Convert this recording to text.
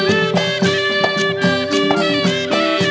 โปรดติดตามตอนต่อไป